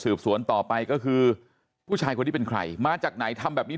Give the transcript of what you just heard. สวนต่อไปก็คือผู้ชายคนนี้เป็นใครมาจากไหนทำแบบนี้